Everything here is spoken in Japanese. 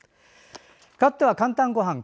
かわっては「かんたんごはん」。